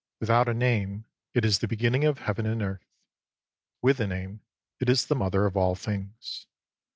Without a name, it is the Beginning of Heaven and Earth ; with a name, it is the Mother of all things.